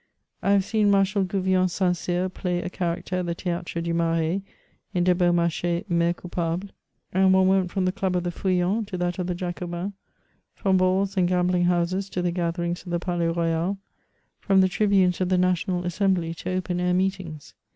I have seen Marshal Gouvion St. Cyr play a character at the Theatre du Marais, in De Beaumarchais Mere Coupable; and one went from the dub of the Feuillons to that of the Jacobins, from balls and gambling houses to the gatheripgs of the Palais Royal, from the tribunes of the National Assembly to open air meetings.